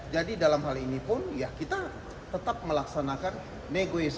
jadi dalam hal ini pun kita tetap melaksanakan negosiasi